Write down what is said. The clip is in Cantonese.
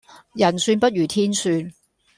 人算不如天算